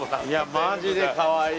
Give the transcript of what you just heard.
マジでかわいい。